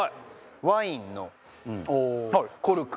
ワインのコルク。